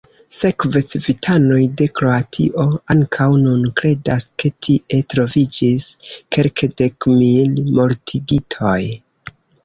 Sekve civitanoj de Kroatio ankaŭ nun kredas, ke tie troviĝis kelkdekmil mortigitoj.